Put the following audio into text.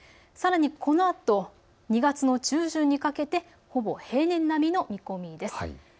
さらにこのあと２月の中旬にかけてほぼ平年並みの見込みです。